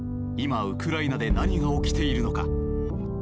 今、ウクライナで何が起きているのか。